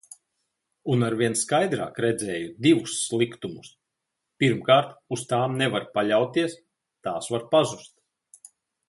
Un arvien skaidrāk redzēju divus sliktumus. Pirmkārt, uz tām nevar paļauties. Tās var pazust.